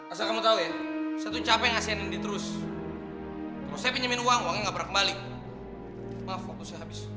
asal kamu tau ya saya tuh capek ngasihin nandi terus kalau saya pinjemin uang uangnya gak pernah kembali maaf waktu saya habis